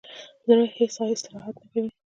زړه هیڅ استراحت نه کوي